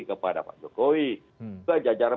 kepada pak jokowi jajaran